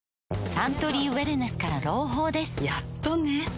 サントリーウエルネスから朗報ですやっとね